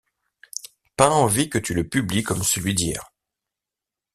Pas envie que tu le publies comme celui d’hier.